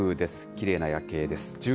きれいな夜景です。